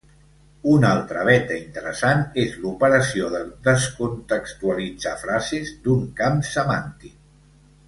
Una altra veta interessant és l'operació de descontextualitzar frases d'un camp semàntic.